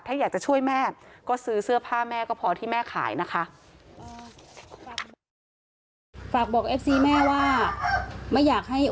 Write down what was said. ถ้าอยากจะช่วยแม่ก็ซื้อเสื้อผ้าแม่ก็พอที่แม่ขายนะคะ